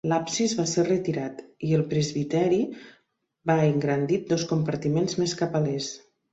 L'absis va ser retirat i el presbiteri va engrandit dos compartiments més cap a l'est.